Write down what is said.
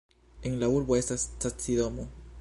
En la urbo estas stacidomo.